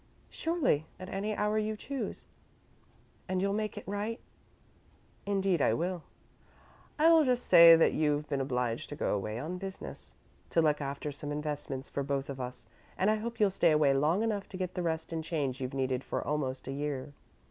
"Surely at any hour you choose." "And you'll make it right?" "Indeed I will. I'll just say that you've been obliged to go away on business to look after some investments for both of us, and I hope you'll stay away long enough to get the rest and change you've needed for almost a year."